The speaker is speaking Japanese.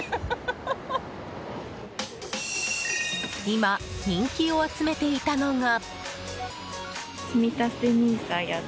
今、人気を集めていたのが。